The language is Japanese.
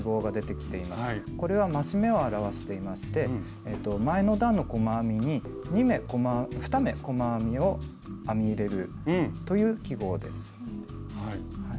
これは増し目を表していまして前の段の細編みに２目細編みを編み入れるという記号です。